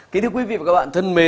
kính thưa quý vị và các bạn thân mến